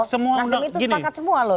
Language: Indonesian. nasdem itu sepakat semua loh